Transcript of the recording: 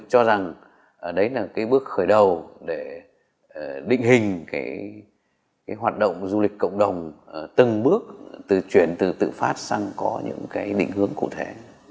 chúng tôi cho rằng đấy là bước khởi đầu để định hình hoạt động du lịch cộng đồng từng bước chuyển từ tự phát sang có những định hướng cụ thể